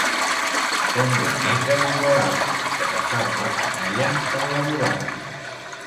Com la Neta d'Igualada, que passava la canalla per la bugada.